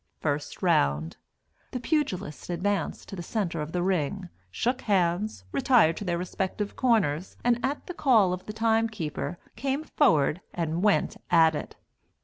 First Round. The pugilists advanced to the centre of the ring, shook hands, retired to their respective corners, and at the call of the time keeper, came forward and went at it.